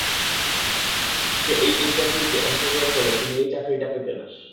সে এই ইন্টারভিউতে অংশগ্রহণ করলে তুমি এই চাকরিটা পেতে না।